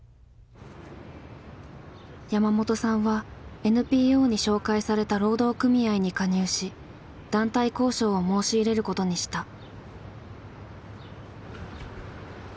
山本さんはＮＰＯに紹介された労働組合に加入し団体交渉を申し入れることにした。